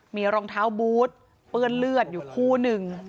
มีรองเท้าบูธเปื้อนเลือดอยู่คู่หนึ่ง